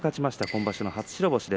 今場所、初白星。